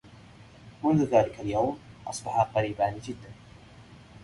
منذ ذلك اليوم، أصبحا قريبان جدّا.